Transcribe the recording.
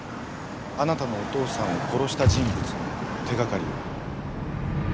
あなたのお父さんを殺した人物の手掛かりを。